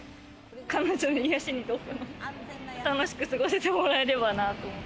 彼女の癒やしにどうかなと思って、楽しく過ごしてもらえればなと。